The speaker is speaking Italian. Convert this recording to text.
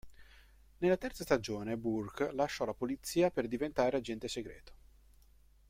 Nella terza stagione Burke lascia la polizia per diventare agente segreto.